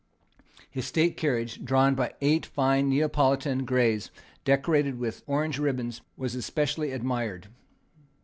His state carriage, drawn by eight fine Neapolitan greys decorated with orange ribands, was specially admired.